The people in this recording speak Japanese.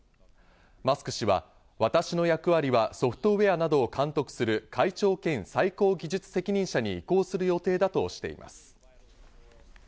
マスク氏は私の役割はソフトウエアなどを監督する会長兼最高技術責任者に移行する予定だとしています。